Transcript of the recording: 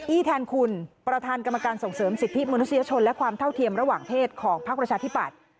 แทนคุณประธานกรรมการส่งเสริมสิทธิมนุษยชนและความเท่าเทียมระหว่างเพศของพักประชาธิปัตย์